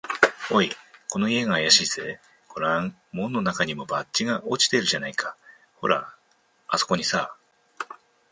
「おい、この家があやしいぜ。ごらん、門のなかにも、バッジが落ちているじゃないか。ほら、あすこにさ」